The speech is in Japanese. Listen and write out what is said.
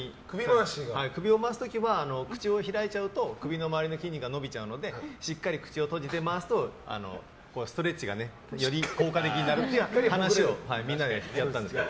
首を回す時は口を開いちゃうと首の周りの筋肉が伸びちゃうのでしっかり口を閉じて回すと、ストレッチがより効果的になるっていう話を、みんなでやったんですけど。